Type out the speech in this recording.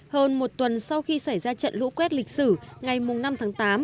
hơn một tuần sau khi xảy ra trận lũ quét lịch sử ngày năm tháng tám